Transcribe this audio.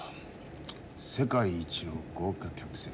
世界一の豪華客船